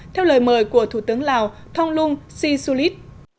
theo lời mời của thủ tướng lào thông luân si su lít